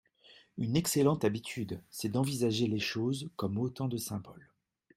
Une excellente habitude c'est d'envisager les choses comme autant de symboles.